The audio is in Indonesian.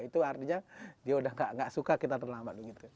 itu artinya dia udah gak suka kita terlambat